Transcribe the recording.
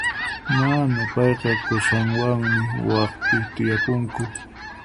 Mana, payqa qusanwanmi waqpi tiyapunku.